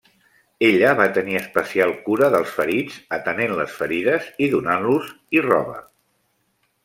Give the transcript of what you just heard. Ella va tenir especial cura dels ferits, atenent les ferides i donant-los-hi roba.